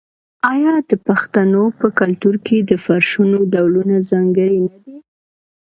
آیا د پښتنو په کلتور کې د فرشونو ډولونه ځانګړي نه دي؟